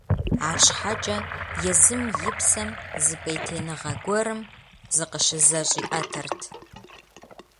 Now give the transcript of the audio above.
Арщхьэкӏэ езым и псэм зы пӏейтеиныгъэ гуэрым зыкъыщызэщӏиӏэтэрт.